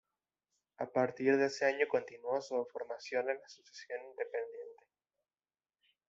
A partir de ese año continuó su formación en la Asociación Independiente.